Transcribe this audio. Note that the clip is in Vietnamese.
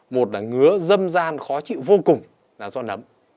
một là ngứa dâm gian khó chịu vô cùng là do nấm